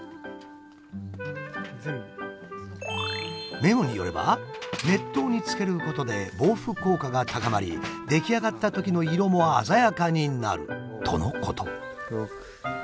メモによれば熱湯につけることで防腐効果が高まり出来上がったときの色も鮮やかになるとのこと。